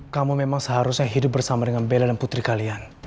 kamu memang seharusnya hidup bersama dengan bella dan putri kalian